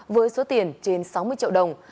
với số tiền trên sáu mươi triệu đồng